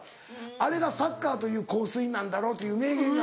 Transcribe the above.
あれがサッカーという香水なんだろう」という名言が。